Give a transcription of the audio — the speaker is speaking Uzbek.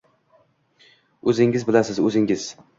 — O’zingiz bilasiz, o’zingiz.